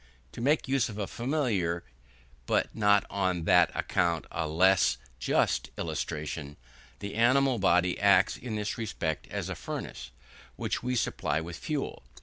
To make use of a familiar, but not on that account a less just illustration, the animal body acts, in this respect, as a furnace, which we supply with fuel.